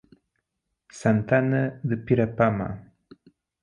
Santana de Pirapama